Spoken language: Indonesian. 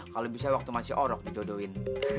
kalau bisa waktu masih orok didodoin